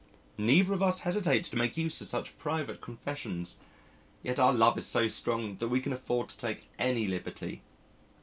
Neither of us hesitates to make use of such private confessions, yet our love is so strong that we can afford to take any liberty.